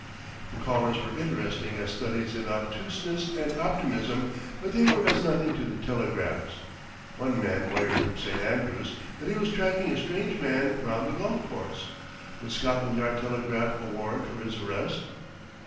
The callers were interesting as studies in obtuseness and optimism; but they were as nothing to the telegrams. One man wired from St. Andrews that he was tracking a strange man round the golf course, would Scotland Yard telegraph a warrant for his arrest?